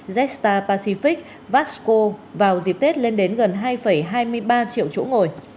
jetstar pacific vasco vào dịp tết lên đến gần hai hai mươi ba triệu chỗ ngồi